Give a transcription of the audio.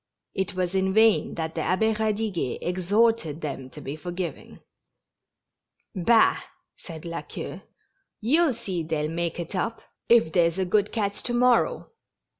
It was in vain that the Abbd Eadiguet exhorted them to be forgiving. "Bah!" said La Queue, "you'll see they'll make it up, if there's a good catch to morrow.